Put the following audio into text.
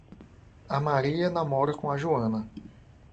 A Maria namora com a Joana